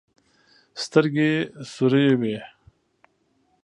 سترګې سورې وې.